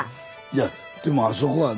いやでもあそこはね